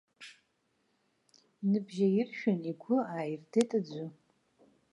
Иныбжьаиршәын, игәы ааирдеит аӡәы.